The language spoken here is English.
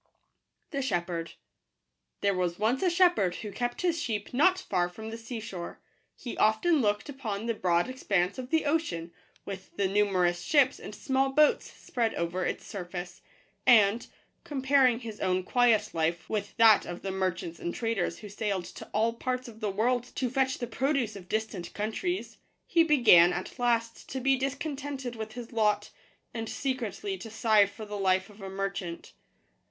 S jbj&fpcrfc. THERE was once a shepherd who kept his sheep not far from the sea shore. He often looked upon the broad expanse of the ocean, with the numerous ships and s small boats spread over its surface ; and, ) comparing his own quiet life with that of J the merchants and traders who sailed to all parts of the world to fetch the pro duce of distant countries, he began at last Digitized by Google i! to be discontented with his lot, and secretly to sigh for the life of a merchant.